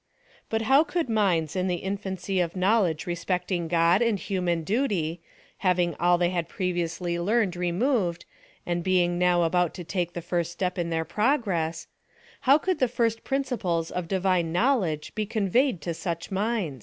But how could minds in the infancy of know* ledge respecting God and human duty ; having all they had previously learned removed, and being now about to take the first step in their progress — how could the first principles of Divine knowledge be conveyed to such minds?